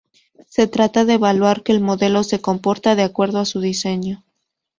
Se trata de evaluar que el modelo se comporta de acuerdo a su diseño.